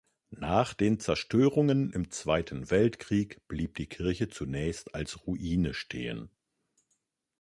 Nach den Zerstörungen im Zweiten Weltkrieg blieb die Kirche zunächst als Ruine stehen.